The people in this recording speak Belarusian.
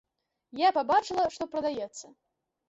Я пабачыла, што прадаецца.